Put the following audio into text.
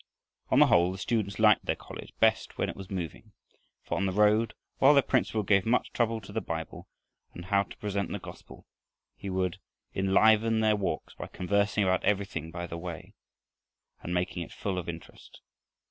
On the whole the students liked their college best when it was moving. For on the road, while their principal gave much time to the Bible and how to present the gospel, he would enliven their walks by conversing about everything by the way and making it full of interest.